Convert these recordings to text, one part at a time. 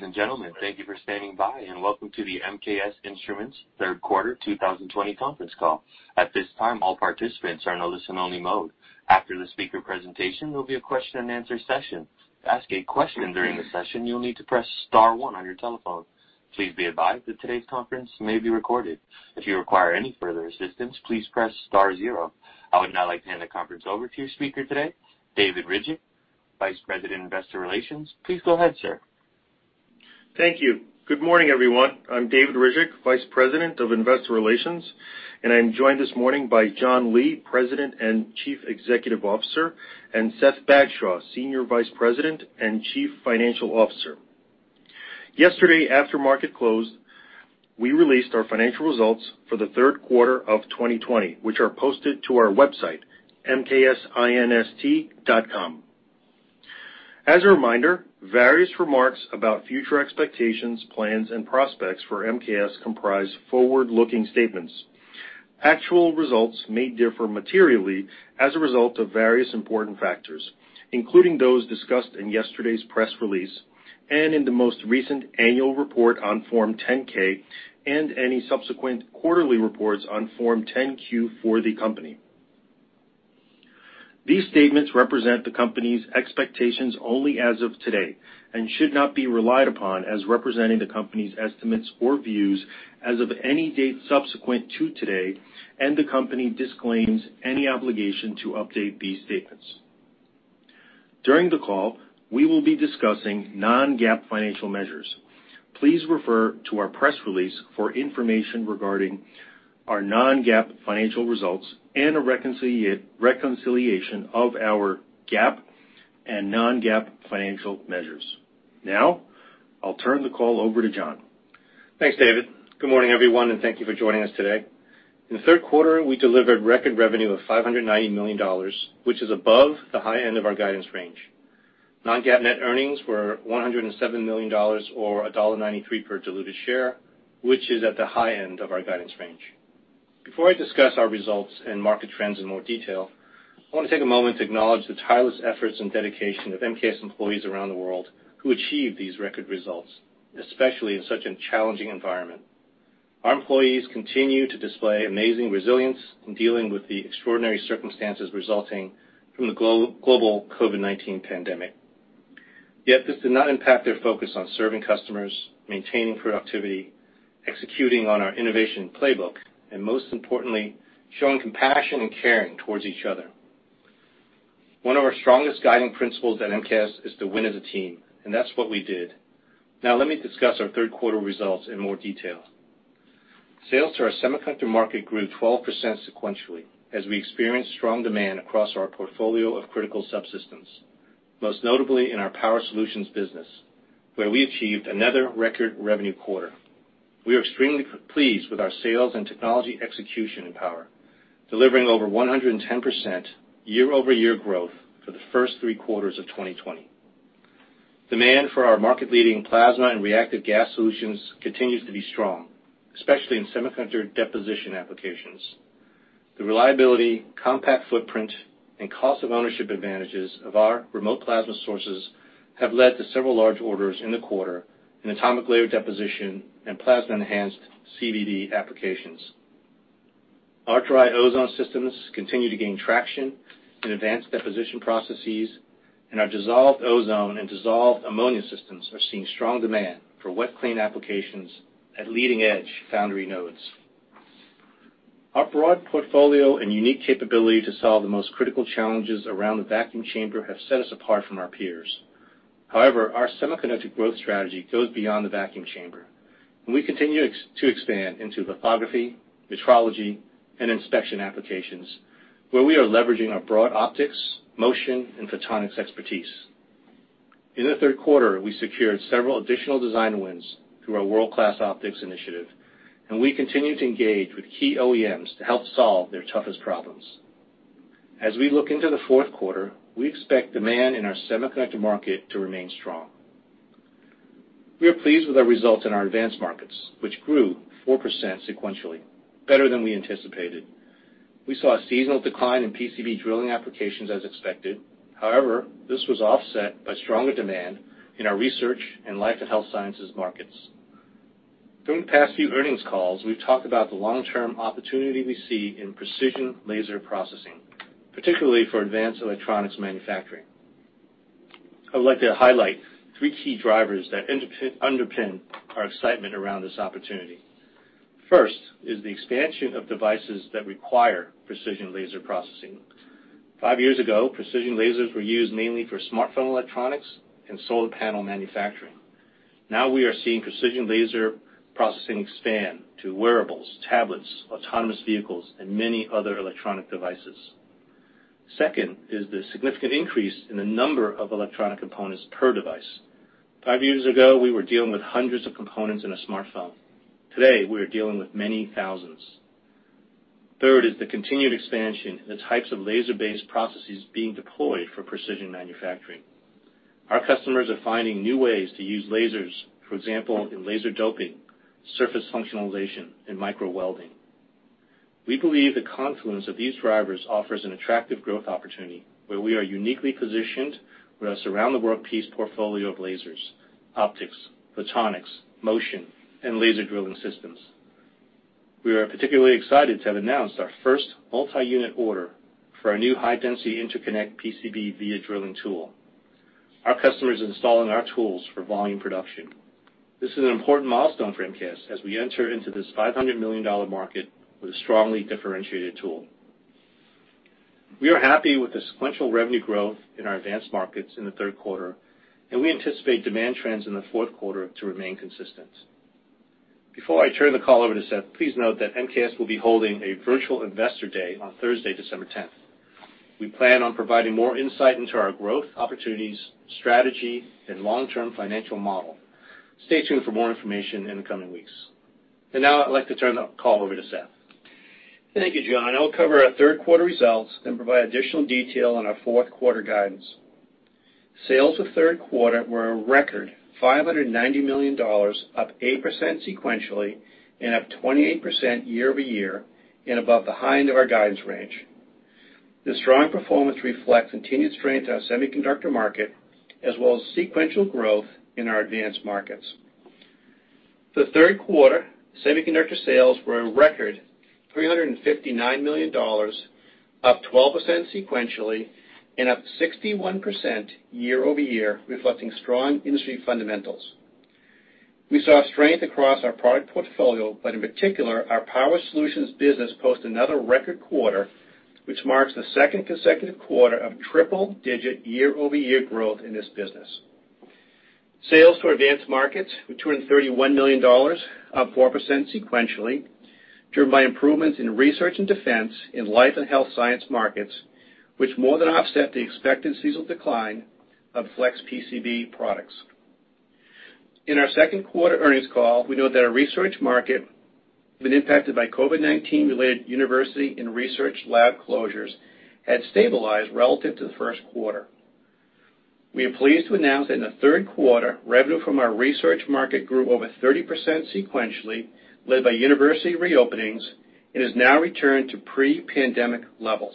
Ladies and gentlemen, thank you for standing by, and welcome to the MKS Instruments Third Quarter 2020 conference call. At this time, all participants are in listen-only mode. After the speaker presentation, there'll be a question-and-answer session. To ask a question during the session, you'll need to press star one on your telephone. Please be advised that today's conference may be recorded. If you require any further assistance, please press star zero. I would now like to hand the conference over to your speaker today, David Ryzhik, Vice President, Investor Relations. Please go ahead, sir. Thank you. Good morning, everyone. I'm David Ryzhik, Vice President of Investor Relations, and I'm joined this morning by John Lee, President and Chief Executive Officer, and Seth Bagshaw, Senior Vice President and Chief Financial Officer. Yesterday, after market closed, we released our financial results for the third quarter of 2020, which are posted to our website, mksinst.com. As a reminder, various remarks about future expectations, plans, and prospects for MKS comprise forward-looking statements. Actual results may differ materially as a result of various important factors, including those discussed in yesterday's press release and in the most recent annual report on Form 10-K and any subsequent quarterly reports on Form 10-Q for the company. These statements represent the company's expectations only as of today and should not be relied upon as representing the company's estimates or views as of any date subsequent to today, and the company disclaims any obligation to update these statements. During the call, we will be discussing non-GAAP financial measures. Please refer to our press release for information regarding our non-GAAP financial results and a reconciliation of our GAAP and non-GAAP financial measures. Now, I'll turn the call over to John. Thanks, David. Good morning, everyone, and thank you for joining us today. In the third quarter, we delivered record revenue of $590 million, which is above the high end of our guidance range. Non-GAAP net earnings were $107 million or $1.93 per diluted share, which is at the high end of our guidance range. Before I discuss our results and market trends in more detail, I want to take a moment to acknowledge the tireless efforts and dedication of MKS employees around the world who achieved these record results, especially in such a challenging environment. Our employees continue to display amazing resilience in dealing with the extraordinary circumstances resulting from the global COVID-19 pandemic. Yet this did not impact their focus on serving customers, maintaining productivity, executing on our innovation playbook, and most importantly, showing compassion and caring towards each other. One of our strongest guiding principles at MKS is to win as a team, and that's what we did. Now, let me discuss our third quarter results in more detail. Sales to our semiconductor market grew 12% sequentially, as we experienced strong demand across our portfolio of critical subsystems, most notably in our Power Solutions business, where we achieved another record revenue quarter. We are extremely pleased with our sales and technology execution in Power, delivering over 110% year-over-year growth for the first three quarters of 2020. Demand for our market-leading plasma and reactive gas solutions continues to be strong, especially in semiconductor deposition applications. The reliability, compact footprint, and cost of ownership advantages of our remote plasma sources have led to several large orders in the quarter in atomic layer deposition and plasma-enhanced CVD applications. Our dry ozone systems continue to gain traction in advanced deposition processes, and our dissolved ozone and dissolved ammonia systems are seeing strong demand for wet clean applications at leading-edge foundry nodes. Our broad portfolio and unique capability to solve the most critical challenges around the vacuum chamber have set us apart from our peers. However, our semiconductor growth strategy goes beyond the vacuum chamber, and we continue to expand into lithography, metrology, and inspection applications, where we are leveraging our broad optics, motion, and photonics expertise. In the third quarter, we secured several additional design wins through our world-class optics initiative, and we continue to engage with key OEMs to help solve their toughest problems. As we look into the fourth quarter, we expect demand in our semiconductor market to remain strong. We are pleased with our results in our advanced markets, which grew 4% sequentially, better than we anticipated. We saw a seasonal decline in PCB drilling applications as expected. However, this was offset by stronger demand in our research and life and health sciences markets. During the past few earnings calls, we've talked about the long-term opportunity we see in precision laser processing, particularly for advanced electronics manufacturing. I would like to highlight three key drivers that underpin our excitement around this opportunity. First is the expansion of devices that require precision laser processing. Five years ago, precision lasers were used mainly for smartphone electronics and solar panel manufacturing. Now we are seeing precision laser processing expand to wearables, tablets, autonomous vehicles, and many other electronic devices. Second is the significant increase in the number of electronic components per device. Five years ago, we were dealing with hundreds of components in a smartphone. Today, we are dealing with many thousands. Third is the continued expansion in the types of laser-based processes being deployed for precision manufacturing. Our customers are finding new ways to use lasers, for example, in laser doping, surface functionalization, and micro welding. We believe the confluence of these drivers offers an attractive growth opportunity, where we are uniquely positioned with our surround-the-world-class portfolio of lasers, optics, photonics, motion, and laser drilling systems. We are particularly excited to have announced our first multi-unit order for our new high-density interconnect PCB via drilling tool. Our customers are installing our tools for volume production. This is an important milestone for MKS as we enter into this $500 million market with a strongly differentiated tool. We are happy with the sequential revenue growth in our advanced markets in the third quarter, and we anticipate demand trends in the fourth quarter to remain consistent. Before I turn the call over to Seth, please note that MKS will be holding a virtual investor day on Thursday, December tenth. We plan on providing more insight into our growth, opportunities, strategy, and long-term financial model. Stay tuned for more information in the coming weeks. And now, I'd like to turn the call over to Seth. Thank you, John. I will cover our third quarter results, then provide additional detail on our fourth quarter guidance. Sales for the third quarter were a record $590 million, up 8% sequentially, and up 28% year-over-year, and above the high end of our guidance range. This strong performance reflects continued strength in our semiconductor market, as well as sequential growth in our advanced markets. In the third quarter, semiconductor sales were a record $359 million, up 12% sequentially, and up 61% year-over-year, reflecting strong industry fundamentals. We saw strength across our product portfolio, but in particular, our Power Solutions business posted another record quarter, which marks the second consecutive quarter of triple-digit year-over-year growth in this business. Sales to advanced markets were $231 million, up 4% sequentially, driven by improvements in research and defense in life and health science markets, which more than offset the expected seasonal decline of Flex PCB products. In our second quarter earnings call, we noted that our research market, had been impacted by COVID-19-related university and research lab closures, had stabilized relative to the first quarter. We are pleased to announce that in the third quarter, revenue from our research market grew over 30% sequentially, led by university reopenings, and has now returned to pre-pandemic levels.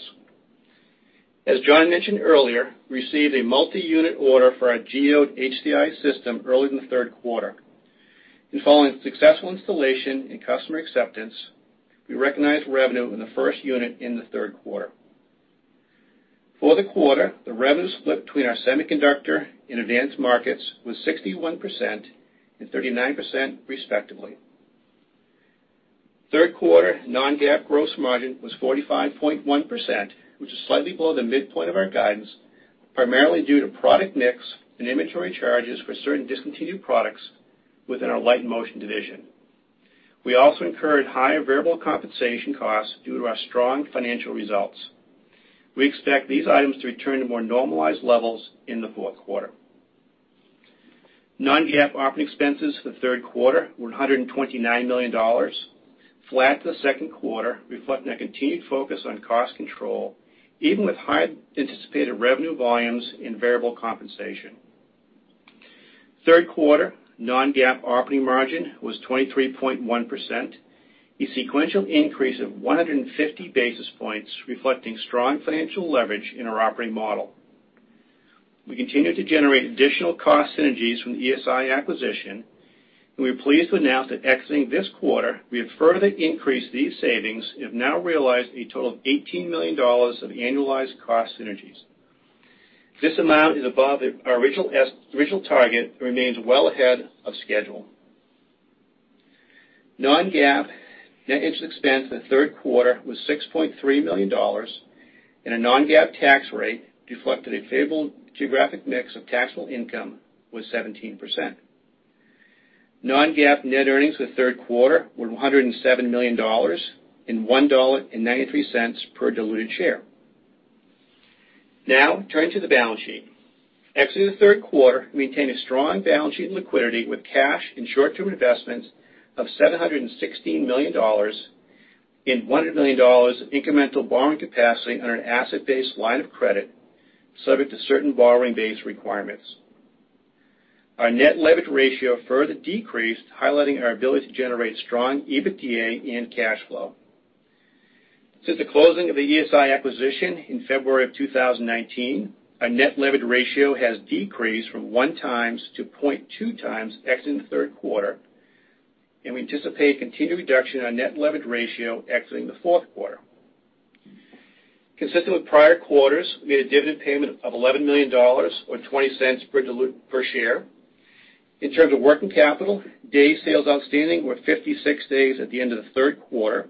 As John mentioned earlier, we received a multi-unit order for our Geode HDI system early in the third quarter. Following successful installation and customer acceptance, we recognized revenue in the first unit in the third quarter. For the quarter, the revenue split between our semiconductor and advanced markets was 61% and 39%, respectively. Third quarter non-GAAP gross margin was 45.1%, which is slightly below the midpoint of our guidance, primarily due to product mix and inventory charges for certain discontinued products within our Light and Motion division. We also incurred higher variable compensation costs due to our strong financial results. We expect these items to return to more normalized levels in the fourth quarter. Non-GAAP operating expenses for the third quarter were $129 million, flat to the second quarter, reflecting a continued focus on cost control, even with high anticipated revenue volumes in variable compensation. Third quarter non-GAAP operating margin was 23.1%, a sequential increase of 150 basis points, reflecting strong financial leverage in our operating model. We continued to generate additional cost synergies from the ESI acquisition, and we are pleased to announce that exiting this quarter, we have further increased these savings and have now realized a total of $18 million of annualized cost synergies. This amount is above our original target, and remains well ahead of schedule. Non-GAAP net interest expense in the third quarter was $6.3 million, and a non-GAAP tax rate reflected a favorable geographic mix of taxable income was 17%. Non-GAAP net earnings for the third quarter were $107 million, and $1.93 per diluted share. Now, turning to the balance sheet. Exiting the third quarter, we maintain a strong balance sheet and liquidity with cash and short-term investments of $716 million, and $100 million of incremental borrowing capacity on an asset-based line of credit, subject to certain borrowing base requirements. Our net leverage ratio further decreased, highlighting our ability to generate strong EBITDA and cash flow. Since the closing of the ESI acquisition in February of 2019, our net leverage ratio has decreased from 1x to 0.2x, exiting the third quarter, and we anticipate a continued reduction in our net leverage ratio exiting the fourth quarter. Consistent with prior quarters, we made a dividend payment of $11 million, or $0.20 per diluted share. In terms of working capital, days sales outstanding were 56 days at the end of the third quarter,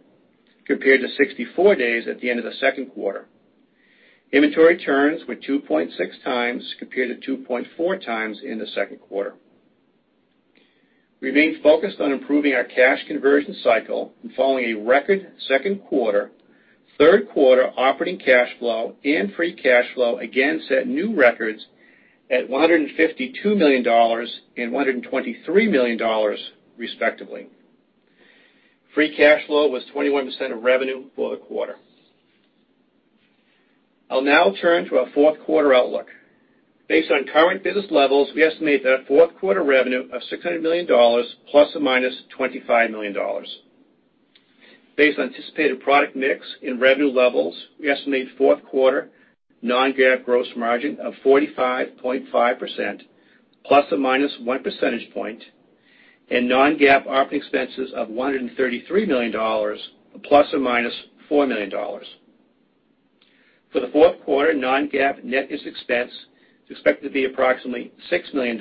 compared to 64 days at the end of the second quarter. Inventory turns were 2.6 times, compared to 2.4 times in the second quarter. We remain focused on improving our cash conversion cycle, and following a record second quarter, third quarter operating cash flow and free cash flow again set new records at $152 million and $123 million, respectively. Free cash flow was 21% of revenue for the quarter.... I'll now turn to our fourth quarter outlook. Based on current business levels, we estimate that our fourth quarter revenue of $600 million ±$25 million. Based on anticipated product mix and revenue levels, we estimate fourth quarter non-GAAP gross margin of 45.5% ±1 percentage point, and non-GAAP OP expenses of $133 million ±$4 million. For the fourth quarter, non-GAAP net interest expense is expected to be approximately $6 million,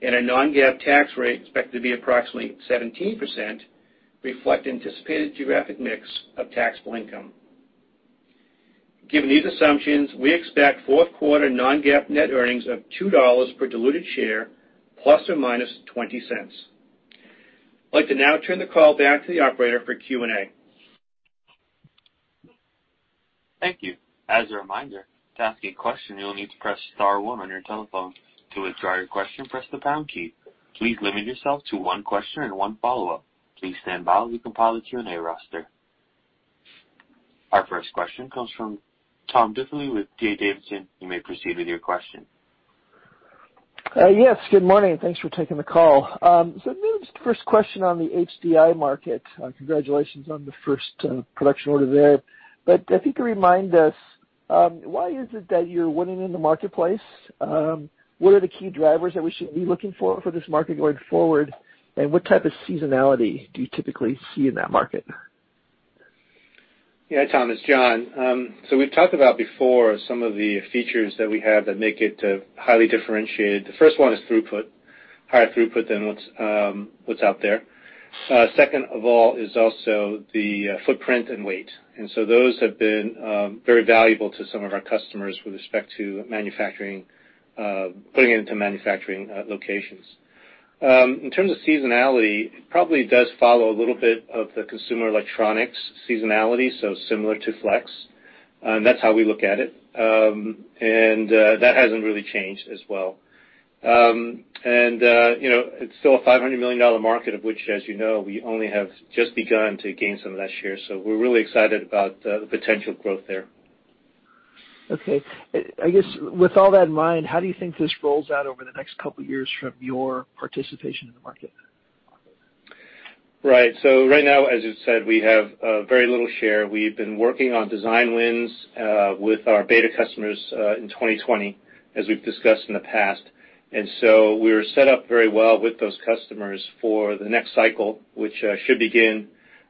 and a non-GAAP tax rate is expected to be approximately 17%, reflecting anticipated geographic mix of taxable income. Given these assumptions, we expect fourth quarter non-GAAP net earnings of $2 per diluted share ±$0.20. I'd like to now turn the call back to the operator for Q&A. Thank you. As a reminder, to ask a question, you'll need to press star one on your telephone. To withdraw your question, press the pound key. Please limit yourself to one question and one follow-up. Please stand by while we compile the Q&A roster. Our first question comes from Tom Diffley with D.A. Davidson. You may proceed with your question. Yes, good morning, and thanks for taking the call. Maybe just the first question on the HDI market. Congratulations on the first production order there. But if you could remind us, why is it that you're winning in the marketplace? What are the key drivers that we should be looking for for this market going forward? And what type of seasonality do you typically see in that market? Yeah, Tom, it's John. So we've talked about before some of the features that we have that make it highly differentiated. The first one is throughput, higher throughput than what's out there. Second of all is also the footprint and weight. And so those have been very valuable to some of our customers with respect to manufacturing, putting into manufacturing locations. In terms of seasonality, it probably does follow a little bit of the consumer electronics seasonality, so similar to Flex, and that's how we look at it. And you know, it's still a $500 million market, of which, as you know, we only have just begun to gain some of that share. So we're really excited about the potential growth there. Okay. I, I guess with all that in mind, how do you think this rolls out over the next couple of years from your participation in the market? Right. So right now, as you said, we have very little share. We've been working on design wins with our beta customers in 2020, as we've discussed in the past. And so we're set up very well with those customers for the next cycle, which should begin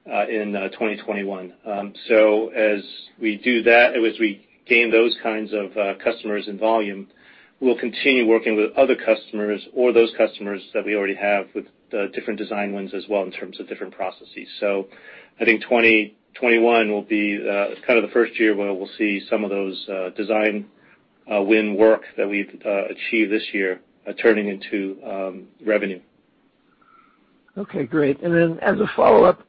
in 2021. So as we do that, and as we gain those kinds of customers and volume, we'll continue working with other customers or those customers that we already have with different design wins as well in terms of different processes. So I think 2021 will be kind of the first year where we'll see some of those design win work that we've achieved this year turning into revenue. Okay, great. And then as a follow-up,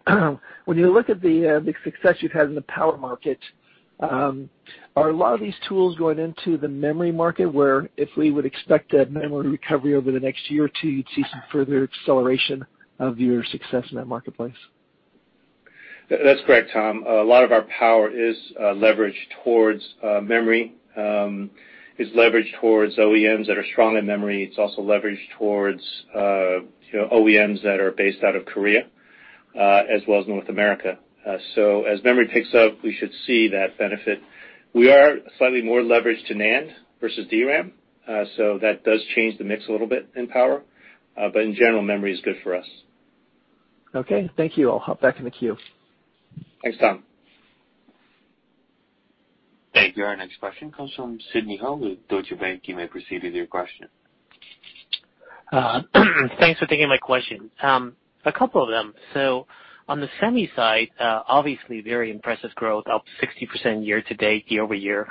when you look at the success you've had in the power market, are a lot of these tools going into the memory market, where if we would expect a memory recovery over the next year or two, you'd see some further acceleration of your success in that marketplace? That's correct, Tom. A lot of our power is leveraged towards memory, is leveraged towards OEMs that are strong in memory. It's also leveraged towards, you know, OEMs that are based out of Korea, as well as North America. So as memory picks up, we should see that benefit. We are slightly more leveraged to NAND versus DRAM, so that does change the mix a little bit in power. But in general, memory is good for us. Okay. Thank you. I'll hop back in the queue. Thanks, Tom. Thank you. Our next question comes from Sidney Ho with Deutsche Bank. You may proceed with your question. Thanks for taking my question. A couple of them. So on the semi side, obviously very impressive growth, up 60% year-to-date, year-over-year.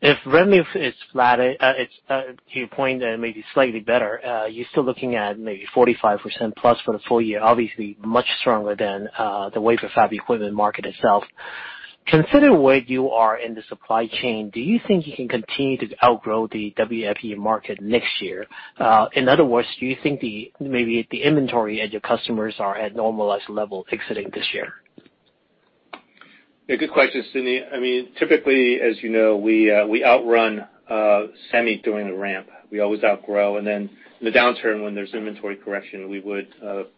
If revenue is flat, it's, to your point, and maybe slightly better, you're still looking at maybe 45%+ for the full year. Obviously, much stronger than the wafer fab equipment market itself. Considering where you are in the supply chain, do you think you can continue to outgrow the WFE market next year? In other words, do you think the, maybe the inventory at your customers are at normalized level exiting this year? Yeah, good question, Sidney. I mean, typically, as you know, we, we outrun, semi during the ramp. We always outgrow, and then in the downturn, when there's inventory correction, we would,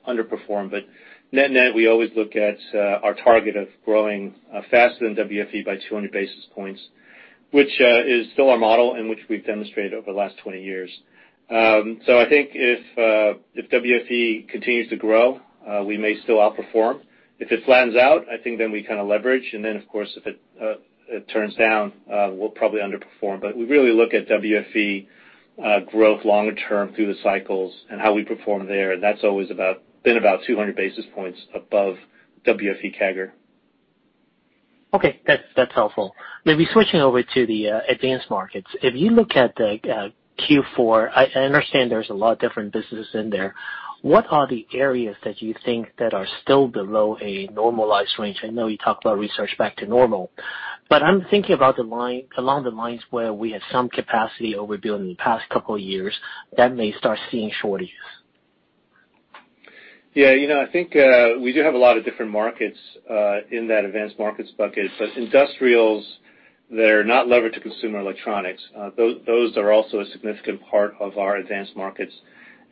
underperform. But net net, we always look at, our target of growing, faster than WFE by 200 basis points, which, is still our model, and which we've demonstrated over the last 20 years. So I think if, if WFE continues to grow, we may still outperform. If it flattens out, I think then we kind of leverage, and then, of course, if it, it turns down, we'll probably underperform. But we really look at WFE, growth longer term through the cycles and how we perform there, and that's always about, been about 200 basis points above WFE CAGR. Okay, that's, that's helpful. Maybe switching over to the advanced markets. If you look at the Q4, I understand there's a lot of different businesses in there. What are the areas that you think that are still below a normalized range? I know you talked about research back to normal, but I'm thinking along the lines where we had some capacity overbuilding in the past couple of years that may start seeing shortage.... Yeah, you know, I think, we do have a lot of different markets in that advanced markets bucket, but industrials that are not levered to consumer electronics, those, those are also a significant part of our advanced markets.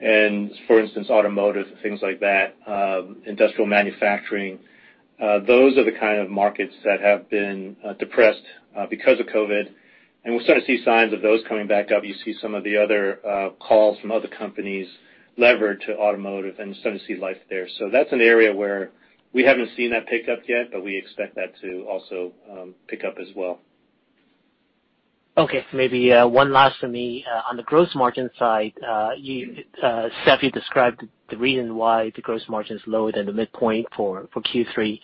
And for instance, automotive, things like that, industrial manufacturing, those are the kind of markets that have been depressed because of COVID, and we're starting to see signs of those coming back up. You see some of the other calls from other companies levered to automotive, and you're starting to see life there. So that's an area where we haven't seen that pick up yet, but we expect that to also pick up as well. Okay, maybe one last from me. On the gross margin side, you Seth, you described the reason why the gross margin is lower than the midpoint for, for Q3.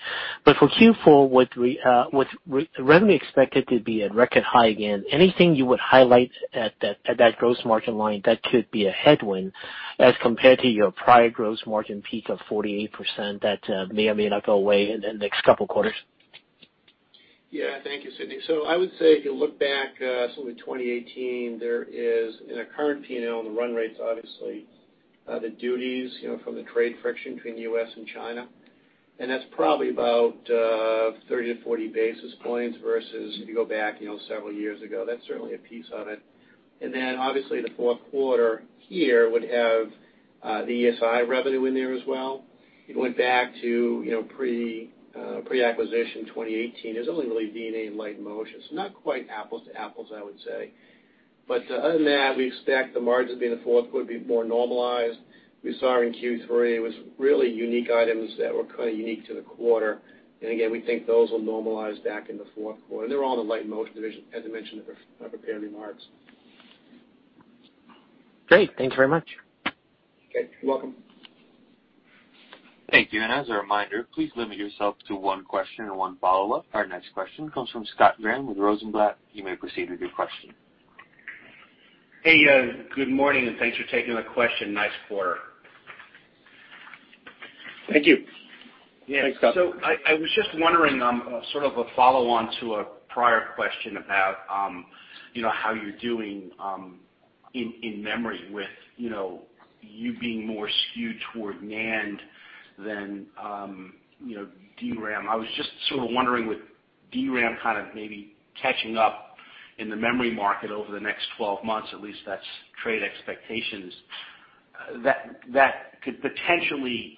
But for Q4, would we, with revenue expected to be at record high again, anything you would highlight at that, at that gross margin line that could be a headwind as compared to your prior gross margin peak of 48% that may or may not go away in the next couple of quarters? Yeah, thank you, Sidney. So I would say if you look back, sort of at 2018, there is, in our current P&L, in the run rates, obviously, the duties, you know, from the trade friction between the U.S. and China, and that's probably about, 30-40 basis points versus if you go back, you know, several years ago. That's certainly a piece of it. And then, obviously, the fourth quarter here would have, the ESI revenue in there as well. It went back to, you know, pre- pre-acquisition 2018. There's only really V&A and Light and Motion. So not quite apples to apples, I would say. But, other than that, we expect the margins in the fourth quarter to be more normalized. We saw it in Q3, it was really unique items that were kind of unique to the quarter. Again, we think those will normalize back in the fourth quarter. They're all in the Light and Motion Division, as I mentioned in my prepared remarks. Great. Thanks very much. Okay, you're welcome. Thank you, and as a reminder, please limit yourself to one question and one follow-up. Our next question comes from Scott Graham with Rosenblatt. You may proceed with your question. Hey, good morning, and thanks for taking the question. Nice quarter. Thank you. Thanks, Scott. Yeah, so I was just wondering, sort of a follow-on to a prior question about, you know, how you're doing, in memory with, you know, you being more skewed toward NAND than, you know, DRAM. I was just sort of wondering, with DRAM kind of maybe catching up in the memory market over the next 12 months, at least that's trade expectations, that could potentially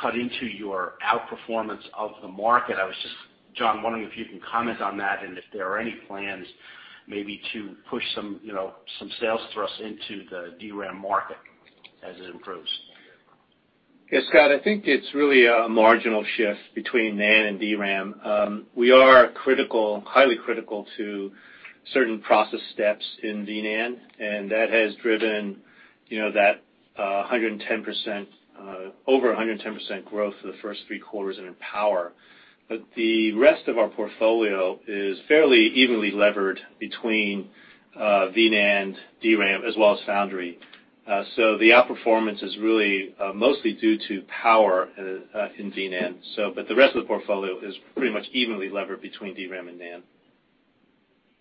cut into your outperformance of the market. I was just, John, wondering if you can comment on that, and if there are any plans maybe to push some, you know, some sales thrust into the DRAM market as it improves. Yeah, Scott, I think it's really a marginal shift between NAND and DRAM. We are critical, highly critical to certain process steps in VNAND, and that has driven, you know, that 110%, over 110% growth for the first three quarters and in power. But the rest of our portfolio is fairly evenly levered between VNAND, DRAM, as well as Foundry. So the outperformance is really mostly due to power in VNAND. So, but the rest of the portfolio is pretty much evenly levered between DRAM and NAND.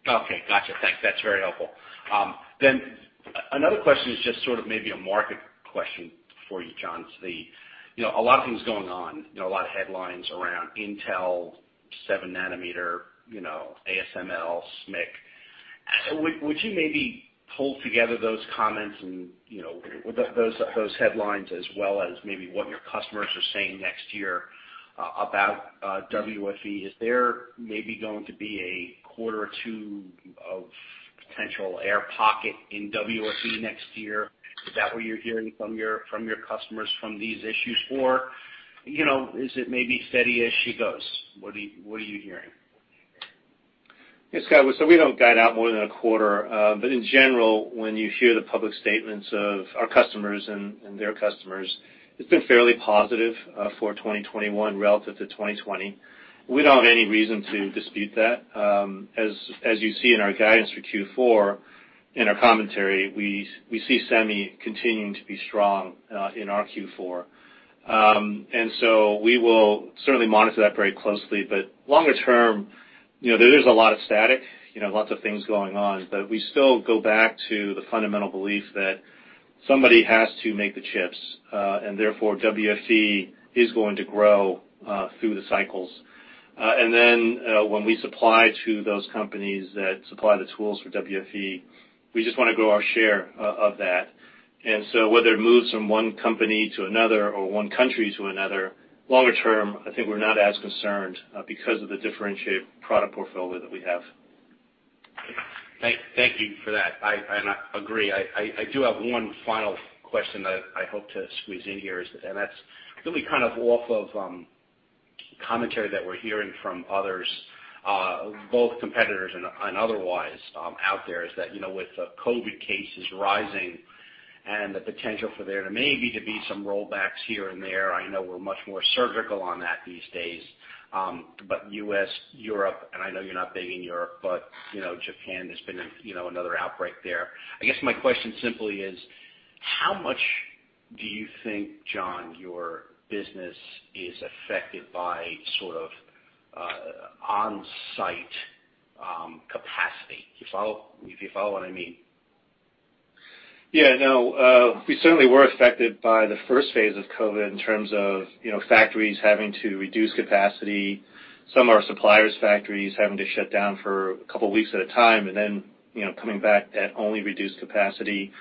Okay, gotcha. Thanks. That's very helpful. Then another question is just sort of maybe a market question for you, John. The, you know, a lot of things going on, you know, a lot of headlines around Intel, 7 nanometer, you know, ASML, SMIC. Would you maybe pull together those comments and, you know, those headlines as well as maybe what your customers are saying next year about WFE? Is there maybe going to be a quarter or two of potential air pocket in WFE next year? Is that what you're hearing from your customers from these issues? Or, you know, is it maybe steady as she goes? What are you hearing? Yeah, Scott, so we don't guide out more than a quarter, but in general, when you hear the public statements of our customers and their customers, it's been fairly positive for 2021 relative to 2020. We don't have any reason to dispute that. As you see in our guidance for Q4, in our commentary, we see semi continuing to be strong in our Q4. And so we will certainly monitor that very closely. But longer term, you know, there is a lot of static, you know, lots of things going on, but we still go back to the fundamental belief that somebody has to make the chips, and therefore, WFE is going to grow through the cycles. And then, when we supply to those companies that supply the tools for WFE, we just want to grow our share of that. And so whether it moves from one company to another or one country to another, longer term, I think we're not as concerned, because of the differentiated product portfolio that we have. Thank you for that. And I agree. I do have one final question that I hope to squeeze in here, and that's really kind of off of commentary that we're hearing from others, both competitors and otherwise, out there, is that, you know, with the COVID cases rising and the potential for there to maybe be some rollbacks here and there. I know we're much more surgical on that these days, but US, Europe, and I know you're not big in Europe, but you know, Japan, there's been, you know, another outbreak there. I guess my question simply is: How much do you think, John, your business is affected by sort of, on-site capacity? You follow what I mean? ... Yeah, no, we certainly were affected by the first phase of COVID in terms of, you know, factories having to reduce capacity. Some of our suppliers' factories having to shut down for a couple of weeks at a time, and then, you know, coming back at only reduced capacity.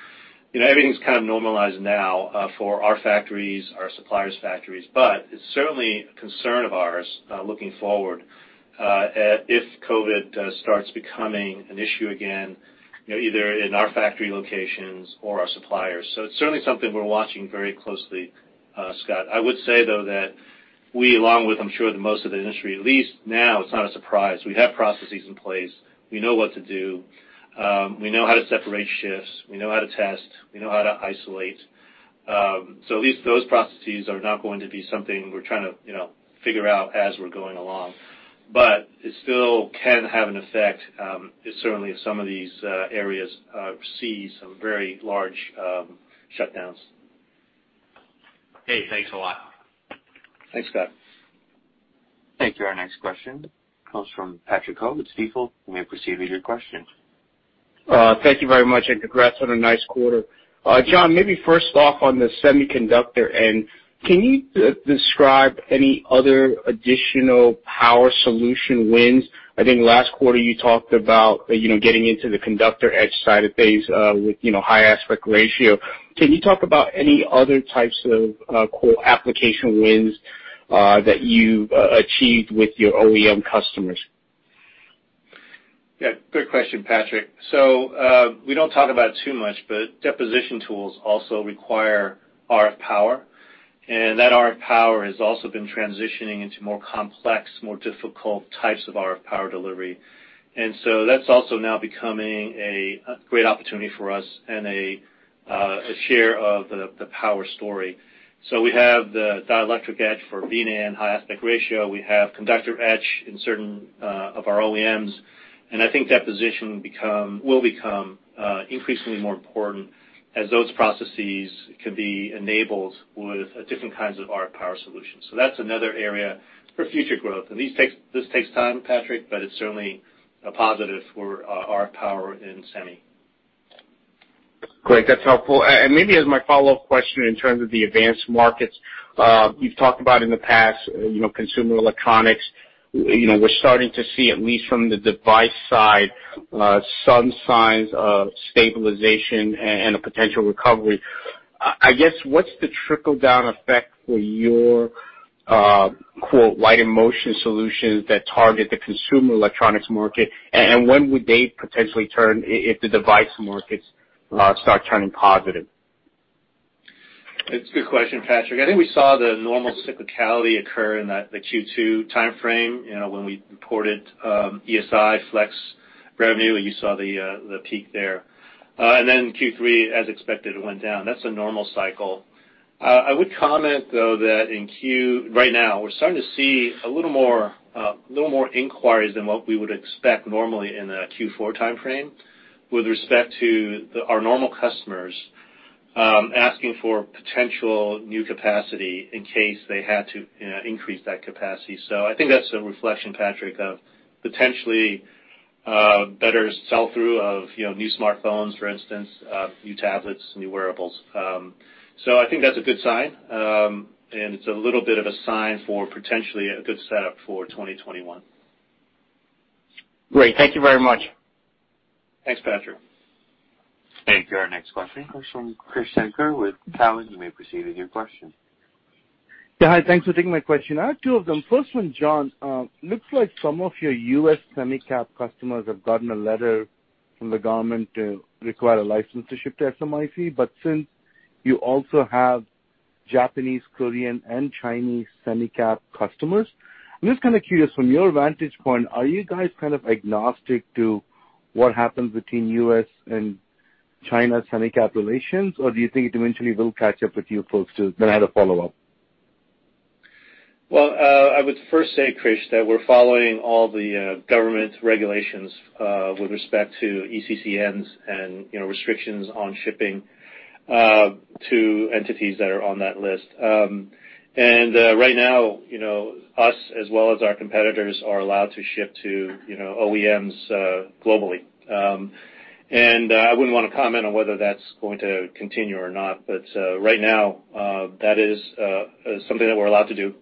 You know, everything's kind of normalized now, for our factories, our suppliers' factories. But it's certainly a concern of ours, looking forward, at if COVID starts becoming an issue again, you know, either in our factory locations or our suppliers. So it's certainly something we're watching very closely, Scott. I would say, though, that we, along with, I'm sure, the most of the industry, at least now, it's not a surprise. We have processes in place. We know what to do. We know how to separate shifts, we know how to test, we know how to isolate. So at least those processes are not going to be something we're trying to, you know, figure out as we're going along. But it still can have an effect, certainly, if some of these areas see some very large shutdowns. Okay. Thanks a lot. Thanks, Scott. Thank you. Our next question comes from Patrick Ho with Stifel. You may proceed with your question. Thank you very much, and congrats on a nice quarter. John, maybe first off, on the semiconductor end, can you describe any other additional power solution wins? I think last quarter you talked about, you know, getting into the conductor etch side of things, with, you know, high aspect ratio. Can you talk about any other types of, quote, "application wins," that you've achieved with your OEM customers? Yeah, good question, Patrick. So, we don't talk about it too much, but deposition tools also require RF power, and that RF power has also been transitioning into more complex, more difficult types of RF power delivery. And so that's also now becoming a great opportunity for us and a share of the power story. So we have the dielectric etch for VNAND high aspect ratio. We have conductor etch in certain of our OEMs, and I think that position will become increasingly more important as those processes can be enabled with different kinds of RF power solutions. So that's another area for future growth. And this takes time, Patrick, but it's certainly a positive for RF power in semi. Great. That's helpful. And maybe as my follow-up question in terms of the advanced markets, you've talked about in the past, you know, consumer electronics. You know, we're starting to see, at least from the device side, some signs of stabilization and a potential recovery. I guess, what's the trickle-down effect for your, quote, "Light and Motion solutions" that target the consumer electronics market, and when would they potentially turn if the device markets start turning positive? It's a good question, Patrick. I think we saw the normal cyclicality occur in the Q2 timeframe, you know, when we reported ESI Flex revenue, you saw the peak there. And then Q3, as expected, it went down. That's a normal cycle. I would comment, though, that right now we're starting to see a little more inquiries than what we would expect normally in a Q4 timeframe with respect to our normal customers asking for potential new capacity in case they had to, you know, increase that capacity. So I think that's a reflection, Patrick, of potentially better sell-through of, you know, new smartphones, for instance, new tablets, new wearables. So I think that's a good sign, and it's a little bit of a sign for potentially a good setup for 2021. Great. Thank you very much. Thanks, Patrick. Thank you. Our next question comes from Krish Sankar with Cowen. You may proceed with your question. Yeah, hi, thanks for taking my question. I have two of them. First one, John, looks like some of your U.S. semi cap customers have gotten a letter from the government to require a license to ship to SMIC, but since you also have Japanese, Korean, and Chinese semi cap customers, I'm just kind of curious, from your vantage point, are you guys kind of agnostic to what happens between U.S. and China semi cap relations? Or do you think it eventually will catch up with you folks, too? Then I had a follow-up. Well, I would first say, Krish, that we're following all the government regulations with respect to ECCNs and, you know, restrictions on shipping to entities that are on that list. And right now, you know, us, as well as our competitors, are allowed to ship to, you know, OEMs globally. And I wouldn't want to comment on whether that's going to continue or not, but right now, that is something that we're allowed to do,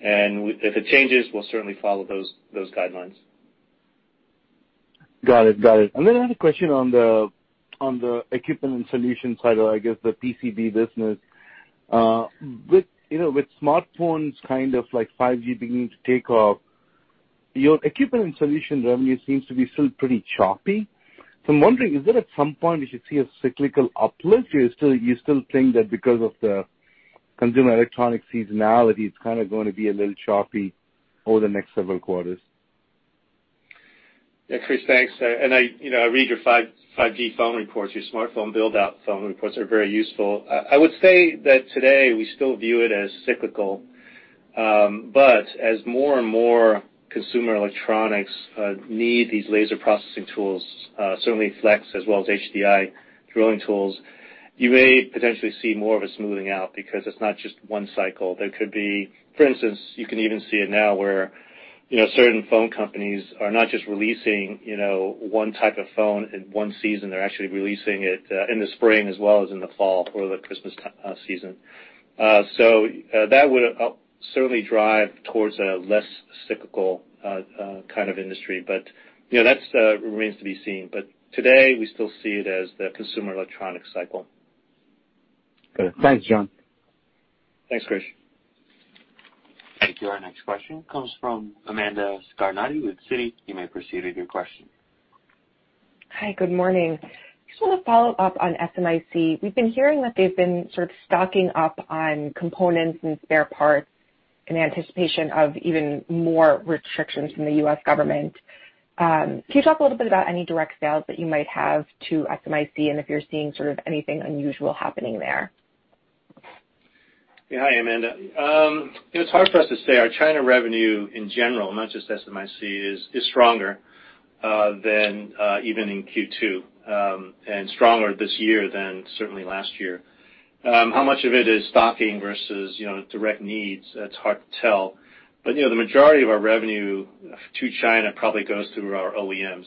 and if it changes, we'll certainly follow those guidelines. Got it. Got it. And then I had a question on the equipment and solution side, or I guess, the PCB business. With, you know, with smartphones, kind of like 5G beginning to take off, your equipment and solution revenue seems to be still pretty choppy. So I'm wondering, is that at some point we should see a cyclical uplift, or you still, you still think that because of the consumer electronic seasonality, it's kind of going to be a little choppy over the next several quarters? Yeah, Krish, thanks. And I, you know, I read your 5G phone reports. Your smartphone build out phone reports are very useful. I would say that today we still view it as cyclical, but as more and more consumer electronics need these laser processing tools, certainly flex as well as HDI drilling tools, you may potentially see more of a smoothing out because it's not just one cycle. There could be, for instance, you can even see it now where, you know, certain phone companies are not just releasing, you know, one type of phone in one season. They're actually releasing it in the spring as well as in the fall or the Christmas season. So, that would certainly drive towards a less cyclical kind of industry. But, you know, that remains to be seen. But today, we still see it as the consumer electronics cycle. Good. Thanks, John. Thanks, Krish. Thank you. Our next question comes from Amanda Scarnati with Citi. You may proceed with your question. Hi, good morning. Just want to follow up on SMIC. We've been hearing that they've been sort of stocking up on components and spare parts in anticipation of even more restrictions from the U.S. government. Can you talk a little bit about any direct sales that you might have to SMIC, and if you're seeing sort of anything unusual happening there? Yeah. Hi, Amanda. It's hard for us to say. Our China revenue in general, not just SMIC, is stronger than even in Q2, and stronger this year than certainly last year. How much of it is stocking versus, you know, direct needs? That's hard to tell. But, you know, the majority of our revenue to China probably goes through our OEMs.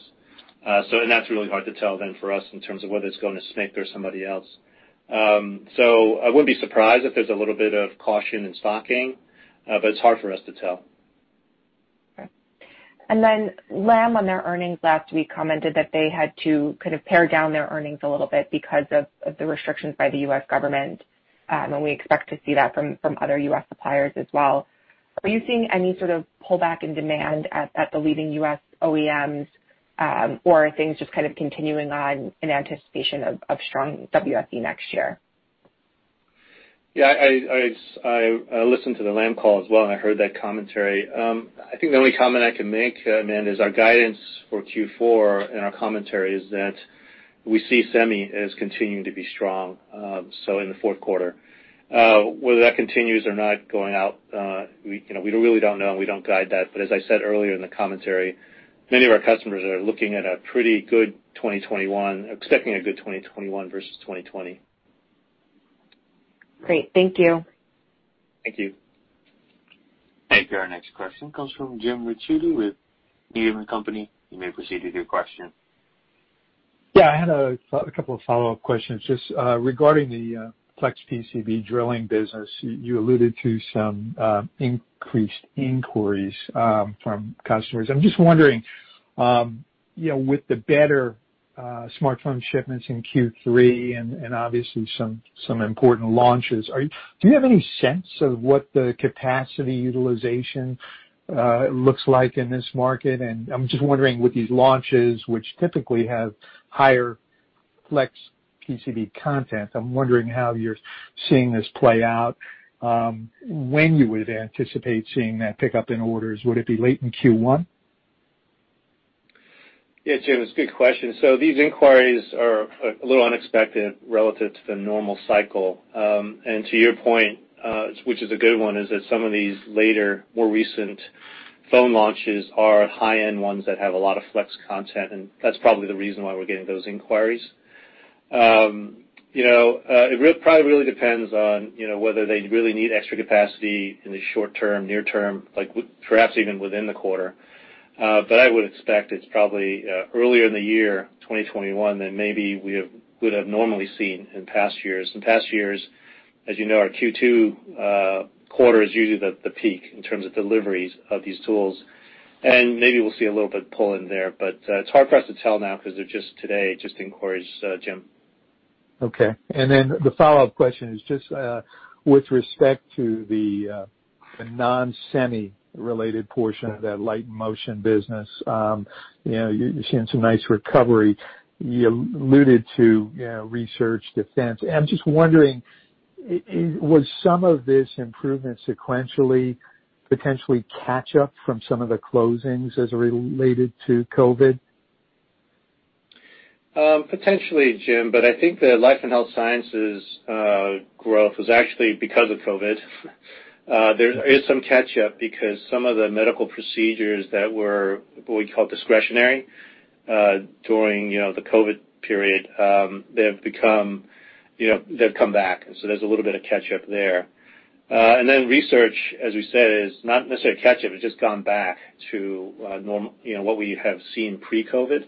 So and that's really hard to tell then for us in terms of whether it's going to SMIC or somebody else. So I wouldn't be surprised if there's a little bit of caution in stocking, but it's hard for us to tell. Okay. And then Lam, on their earnings last week, commented that they had to kind of pare down their earnings a little bit because of the restrictions by the U.S. government, and we expect to see that from other U.S. suppliers as well. Are you seeing any sort of pullback in demand at the leading U.S. OEMs, or are things just kind of continuing on in anticipation of strong WFE next year? Yeah, I listened to the Lam call as well, and I heard that commentary. I think the only comment I can make, Amanda, is our guidance for Q4 and our commentary is that we see semi as continuing to be strong, so in the fourth quarter. Whether that continues or not, going out, we, you know, we really don't know, and we don't guide that. But as I said earlier in the commentary, many of our customers are looking at a pretty good 2021, expecting a good 2021 versus 2020. Great. Thank you. Thank you. Thank you. Our next question comes from Jim Ricchiuti with Needham & Company. You may proceed with your question. Yeah, I had a couple of follow-up questions. Just regarding the flex PCB drilling business, you alluded to some increased inquiries from customers. I'm just wondering, you know, with the better smartphone shipments in Q3 and obviously some important launches, do you have any sense of what the capacity utilization looks like in this market? And I'm just wondering, with these launches, which typically have higher flex PCB content, I'm wondering how you're seeing this play out, when you would anticipate seeing that pickup in orders. Would it be late in Q1? Yeah, Jim, it's a good question. So these inquiries are a little unexpected relative to the normal cycle. And to your point, which is a good one, is that some of these later, more recent phone launches are high-end ones that have a lot of flex content, and that's probably the reason why we're getting those inquiries. You know, it probably really depends on, you know, whether they really need extra capacity in the short term, near term, like perhaps even within the quarter. But I would expect it's probably earlier in the year 2021 than maybe we would have normally seen in past years. In past years, as you know, our Q2 quarter is usually the peak in terms of deliveries of these tools, and maybe we'll see a little bit of pull in there. But, it's hard for us to tell now because they're just today, just inquiries, Jim. Okay. And then the follow-up question is just, with respect to the, the non-semi related portion of that Light and Motion business, you know, you're seeing some nice recovery. You alluded to, you know, research, defense, and I'm just wondering, was some of this improvement sequentially, potentially catch up from some of the closings as related to COVID? Potentially, Jim, but I think the life and health sciences growth is actually because of COVID. There is some catch up because some of the medical procedures that were, what we call discretionary, during, you know, the COVID period, they've become, you know, they've come back, so there's a little bit of catch up there. And then research, as we said, is not necessarily catch up, it's just gone back to, normal you know, what we have seen pre-COVID.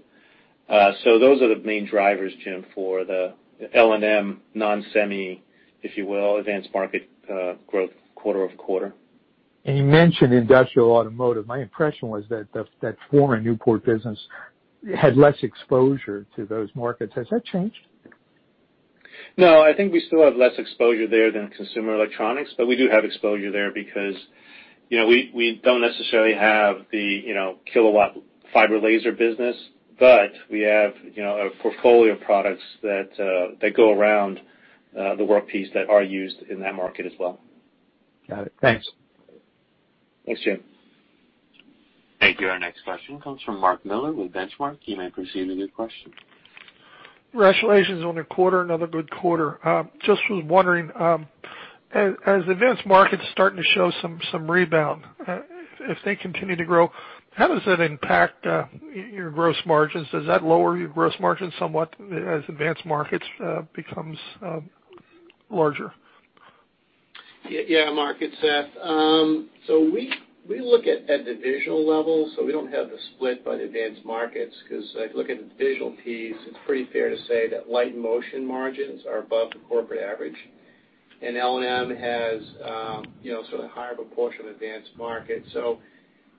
So those are the main drivers, Jim, for the L&M non-semi, if you will, advanced market growth quarter-over-quarter. You mentioned industrial automotive. My impression was that the former Newport business had less exposure to those markets. Has that changed? No, I think we still have less exposure there than consumer electronics, but we do have exposure there because, you know, we, we don't necessarily have the, you know, kilowatt fiber laser business, but we have, you know, a portfolio of products that that go around the work piece that are used in that market as well. Got it. Thanks. Thanks, Jim. Thank you. Our next question comes from Mark Miller with Benchmark. You may proceed with your question. Congratulations on the quarter, another good quarter. Just was wondering.... As advanced markets starting to show some rebound, if they continue to grow, how does that impact your gross margins? Does that lower your gross margins somewhat as advanced markets becomes larger? Yeah, yeah, Mark, it's Seth. So we look at divisional level, so we don't have the split by the advanced markets, 'cause if I look at the divisional piece, it's pretty fair to say that Light and Motion margins are above the corporate average. And L&M has, you know, sort of higher proportion of advanced market. So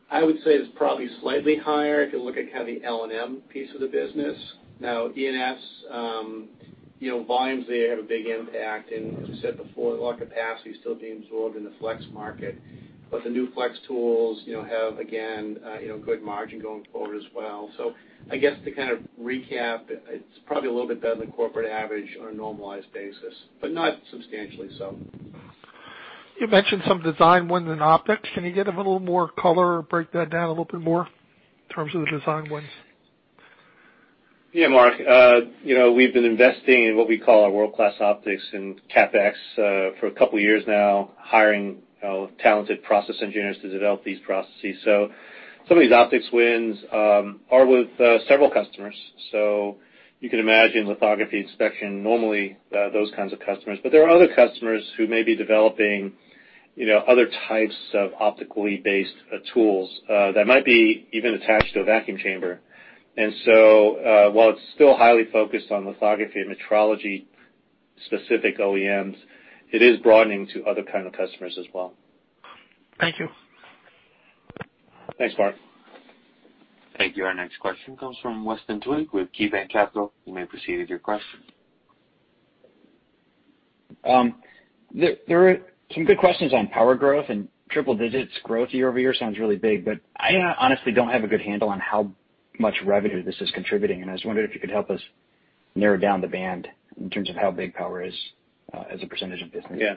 I would say it's probably slightly higher if you look at kind of the L&M piece of the business. Now, E&S, you know, volumes there have a big impact, and as I said before, a lot of capacity is still being absorbed in the flex market. But the new flex tools, you know, have, again, good margin going forward as well. So I guess to kind of recap, it's probably a little bit better than corporate average on a normalized basis, but not substantially so. You mentioned some design wins in optics. Can you give a little more color or break that down a little bit more in terms of the design wins? Yeah, Mark. You know, we've been investing in what we call our world-class optics in CapEx for a couple of years now, hiring talented process engineers to develop these processes. So some of these optics wins are with several customers. So you can imagine lithography, inspection, normally, those kinds of customers. But there are other customers who may be developing, you know, other types of optically based tools that might be even attached to a vacuum chamber. And so, while it's still highly focused on lithography and metrology-specific OEMs, it is broadening to other kind of customers as well. Thank you. Thanks, Mark. Thank you. Our next question comes from Weston Twigg with KeyBanc Capital. You may proceed with your question. There are some good questions on power growth, and triple-digit growth year-over-year sounds really big, but I honestly don't have a good handle on how much revenue this is contributing, and I was wondering if you could help us narrow down the band in terms of how big power is as a percentage of business. Yeah.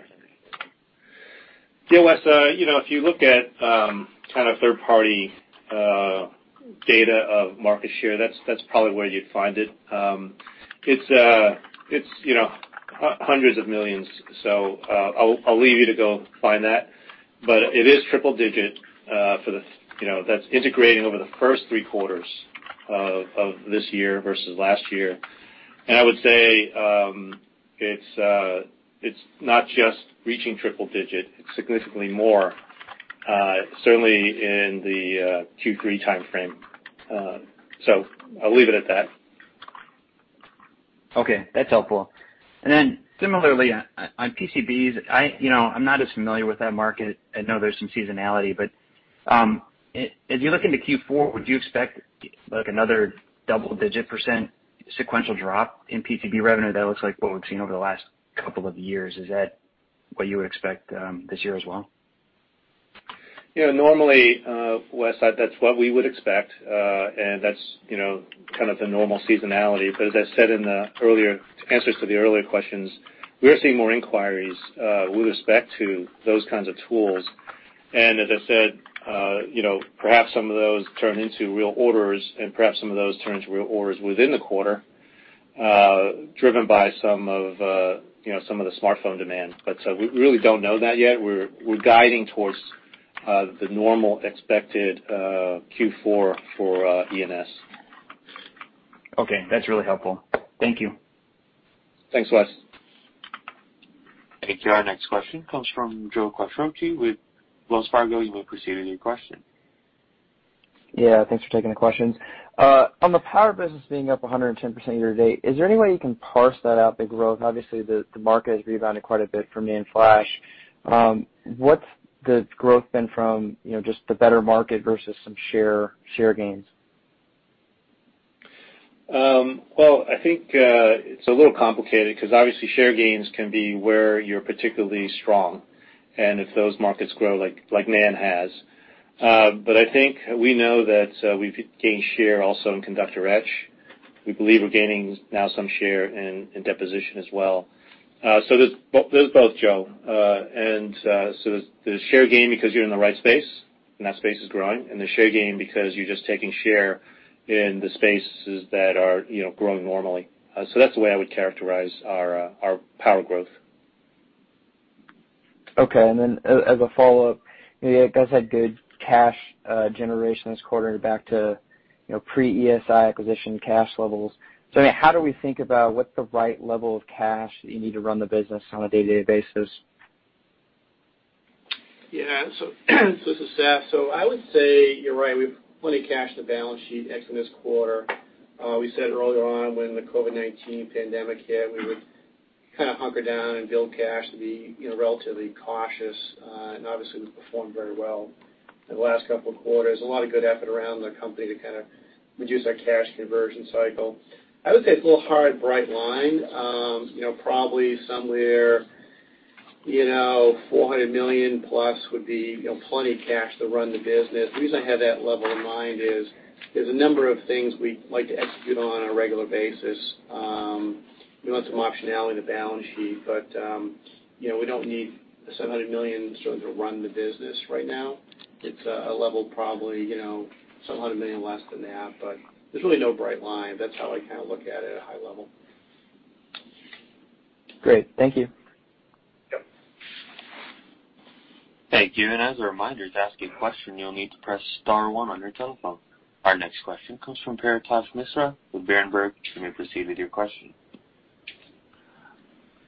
Yeah, Wes, you know, if you look at, kind of third-party data of market share, that's, that's probably where you'd find it. It's, it's, you know, hundreds of millions, so, I'll, I'll leave you to go find that. But it is triple digit, for the, you know, that's integrating over the first three quarters of this year versus last year. And I would say, it's, it's not just reaching triple digit, it's significantly more, certainly in the Q3 timeframe. So I'll leave it at that. Okay, that's helpful. And then similarly, on PCBs, you know, I'm not as familiar with that market. I know there's some seasonality, but as you look into Q4, would you expect, like, another double-digit% sequential drop in PCB revenue? That looks like what we've seen over the last couple of years. Is that what you would expect this year as well? You know, normally, Wes, that's what we would expect, and that's, you know, kind of the normal seasonality. But as I said in the earlier answers to the earlier questions, we are seeing more inquiries with respect to those kinds of tools. And as I said, you know, perhaps some of those turn into real orders, and perhaps some of those turn into real orders within the quarter, driven by some of, you know, some of the smartphone demand. But so we really don't know that yet. We're guiding towards the normal expected Q4 for E&S. Okay. That's really helpful. Thank you. Thanks, Wes. Thank you. Our next question comes from Joe Quattrocchi with Wells Fargo. You may proceed with your question. Yeah, thanks for taking the questions. On the power business being up 110% year to date, is there any way you can parse that out, the growth? Obviously, the market has rebounded quite a bit for me in flash. What's the growth been from, you know, just the better market versus some share gains? Well, I think it's a little complicated, because obviously, share gains can be where you're particularly strong and if those markets grow like NAND has. But I think we know that we've gained share also in conductor etch. We believe we're gaining now some share in deposition as well. So there's both, Joe. And so there's share gain because you're in the right space, and that space is growing, and there's share gain because you're just taking share in the spaces that are, you know, growing normally. So that's the way I would characterize our power growth. Okay. And then as a follow-up, you guys had good cash generation this quarter back to, you know, pre-ESI acquisition cash levels. So how do we think about what's the right level of cash that you need to run the business on a day-to-day basis? Yeah, so this is Seth. So I would say you're right, we've plenty of cash in the balance sheet, ex in this quarter. We said earlier on, when the COVID-19 pandemic hit, we would kind of hunker down and build cash to be, you know, relatively cautious, and obviously we performed very well in the last couple of quarters. A lot of good effort around the company to kind of reduce our cash conversion cycle. I would say it's a little hard, bright line. You know, probably somewhere, you know, $400 million plus would be, you know, plenty cash to run the business. The reason I have that level in mind is, there's a number of things we'd like to execute on a regular basis. We want some optionality in the balance sheet, but, you know, we don't need $700 million sort of to run the business right now. It's a level probably, you know, some $100 million less than that, but there's really no bright line. That's how I kind of look at it at a high level. Great. Thank you.... Thank you. As a reminder, to ask a question, you'll need to press star one on your telephone. Our next question comes from Paritosh Misra with Berenberg. You may proceed with your question.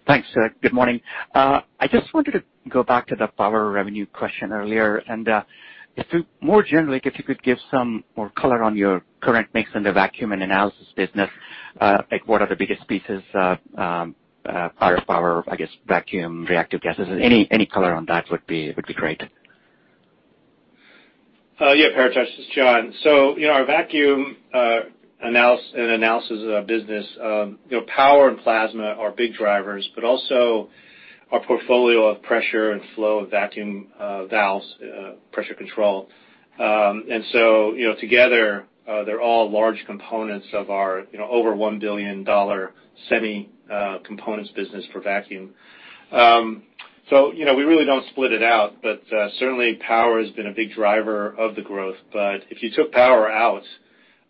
Thanks, Seth. Good morning. I just wanted to go back to the power revenue question earlier, and if you more generally could give some more color on your current mix in the vacuum and analysis business, like, what are the biggest pieces of power, I guess, vacuum, reactive gases? Any color on that would be great. Yeah, Paritosh, this is John. So, you know, our Vacuum & Analysis business, you know, power and plasma are big drivers, but also our portfolio of pressure and flow of vacuum valves, pressure control. And so, you know, together, they're all large components of our, you know, over $1 billion semi components business for vacuum. So, you know, we really don't split it out, but, certainly power has been a big driver of the growth. But if you took power out,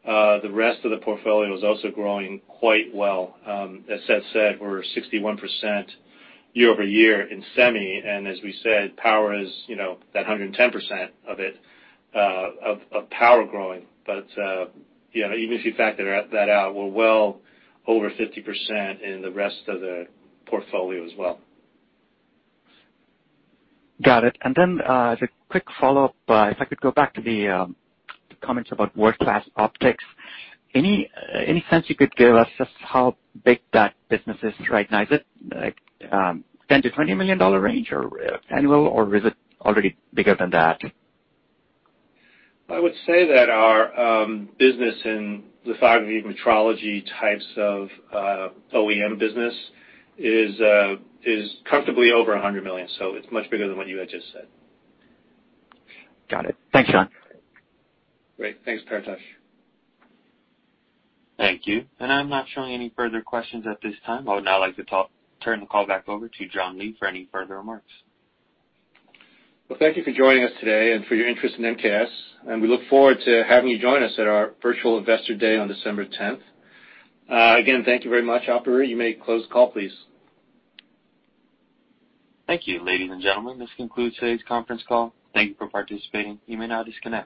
the rest of the portfolio is also growing quite well. As Seth said, we're 61% year-over-year in semi, and as we said, power is, you know, that 110% of it, of, of power growing. But, yeah, even if you factor that out, we're well over 50% in the rest of the portfolio as well. Got it. And then, as a quick follow-up, if I could go back to the comments about world-class optics. Any, any sense you could give us just how big that business is right now? Is it, like, $10 million-$20 million range or annual, or is it already bigger than that? I would say that our business in lithography, metrology types of OEM business is comfortably over $100 million, so it's much bigger than what you had just said. Got it. Thanks, John. Great. Thanks, Paretosh. Thank you. I'm not showing any further questions at this time. I would now like to turn the call back over to John Lee for any further remarks. Well, thank you for joining us today and for your interest in MKS, and we look forward to having you join us at our Virtual Investor Day on December 10th. Again, thank you very much. Operator, you may close the call, please. Thank you, ladies and gentlemen. This concludes today's conference call. Thank you for participating. You may now disconnect.